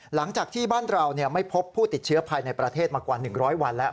หลังจากที่บ้านเราไม่พบผู้ติดเชื้อภายในประเทศมากว่า๑๐๐วันแล้ว